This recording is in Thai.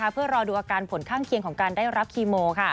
เพื่อรอดูอาการผลข้างเคียงของการได้รับคีโม